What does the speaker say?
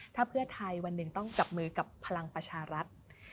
ถ้าเพื่อไทยวันหนึ่งต้องจับมือกับพลังประชารัฐ